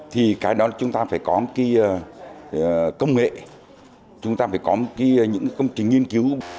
thì cái đó chúng ta phải có một cái công nghệ chúng ta phải có một cái những công trình nghiên cứu